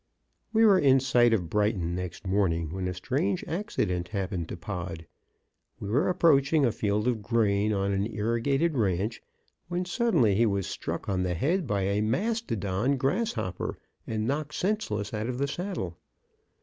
We were in sight of Brighton next morning when a strange accident happened to Pod. We were approaching a field of grain on an irrigated ranch when, suddenly, he was struck on the head by a mastodon grasshopper and knocked senseless out of the saddle.